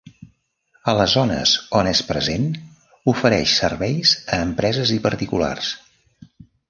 A les zones on és present ofereix serveis a empreses i particulars.